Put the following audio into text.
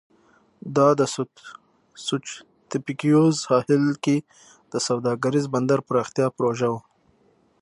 دا د سوچیتپیکویز ساحل کې د سوداګریز بندر پراختیا پروژه وه.